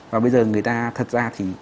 và bây giờ người ta thật ra thì